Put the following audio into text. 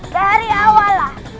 dari awal lah